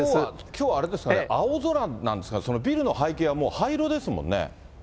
きょうはあれですか、青空なんですかね、そのビルの背景はもう灰色ですもんね。